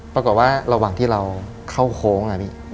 ปรากฏว่าระหว่างที่เราเข้าโค้ง